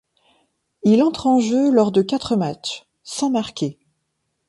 Il entre en jeu lors de quatre matchs, sans marquer.